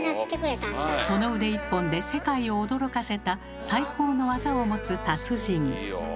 その腕一本で世界を驚かせた最高の技を持つ達人。